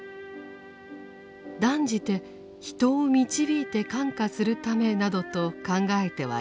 断じて人を導いて感化するためなどと考えてはいけない。